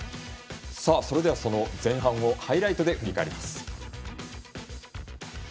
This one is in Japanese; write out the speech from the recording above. それでは前半をハイライトで振り返ります。